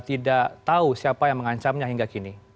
tidak tahu siapa yang mengancamnya hingga kini